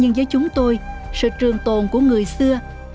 nhưng với chúng tôi sự trương tồn của người xây dựng gạch nung là một nền văn hóa